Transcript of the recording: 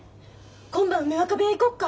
今晩梅若部屋行こっか。